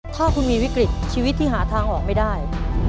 ถ้าคุณมีวิกฤตชีวิตที่หาทางออกไม่ได้